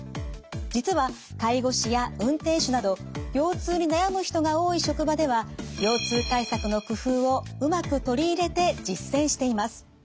実は介護士や運転手など腰痛に悩む人が多い職場では腰痛対策の工夫をうまく取り入れて実践しています。